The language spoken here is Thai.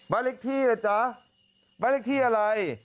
บ้านเล็กที่เลยจ๊ะบ้านเล็กที่อะไร